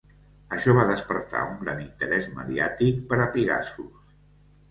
Això va despertar un gran interès mediàtic per a Pigasus.